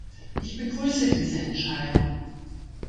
Ich begrüße diese Entscheidung.